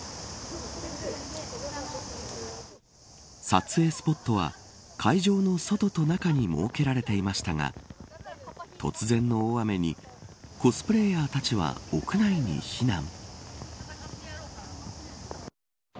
撮影スポットは会場の外と中に設けられていましたが突然の大雨にコスプレーヤーたちは屋内に避難。